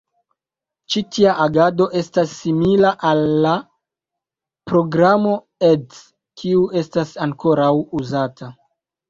Ĉi tia agado estas simila al la programo ed, kiu estas ankoraŭ uzata.